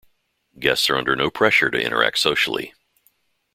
Guests are under no pressure to interact socially.